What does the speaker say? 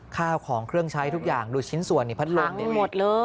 ข้าวของเครื่องใช้ทุกอย่างหลุดชิ้นส่วนพัดลม